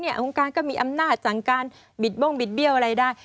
องค์การก็มีอำนาจสั่งการบิดบ้งบิดเบี้ยวอะไรได้